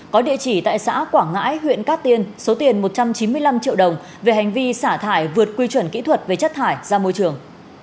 có địa chỉ tại xã quảng ngãi huyện cát tiên số tiền một trăm chín mươi năm triệu đồng về hành vi xả thải vượt quy chuẩn kỹ thuật về chất thải ra môi trường